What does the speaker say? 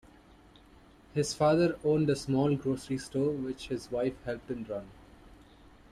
His father owned a small grocery store, which his wife helped him run.